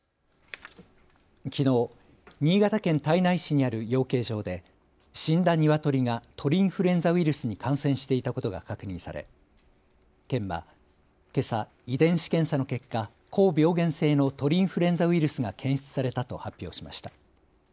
きのう新潟県胎内市にある養鶏場で死んだニワトリが鳥インフルエンザウイルスに感染していたことが確認され県はけさ遺伝子検査の結果、高病原性の鳥インフルエンザウイルスが検出されたと発表しました。